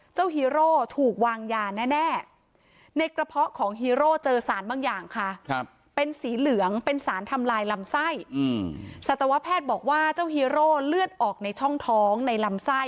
สัตวแพทย์บอกว่าเจ้าฮีโร่เลือดออกในช่องท้องในลำไส้